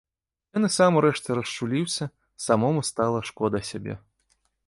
Ён і сам урэшце расчуліўся, самому стала шкода сябе.